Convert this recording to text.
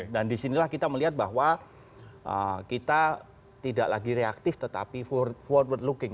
dan disinilah kita melihat bahwa kita tidak lagi reaktif tetapi forward looking